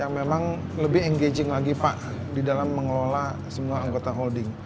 yang memang lebih engaging lagi pak di dalam mengelola semua anggota holding